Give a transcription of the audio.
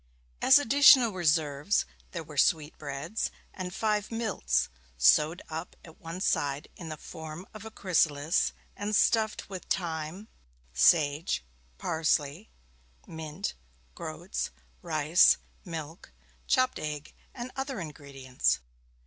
As additional reserves there were sweetbreads, and five milts, sewed up at one side in the form of a chrysalis, and stuffed with thyme, sage, parsley, mint, groats, rice, milk, chopped egg, and other ingredients.